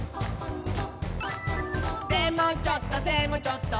「でもちょっと！